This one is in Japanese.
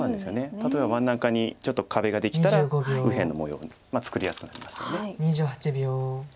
例えば真ん中にちょっと壁ができたら右辺の模様作りやすくなりますよね。